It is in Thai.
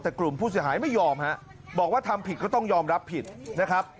แต่กลุ่มผู้เสียหายไม่ยอมฮะบอกว่าทำผิดก็ต้องยอมรับผิดนะครับ